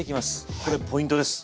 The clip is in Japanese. これポイントです。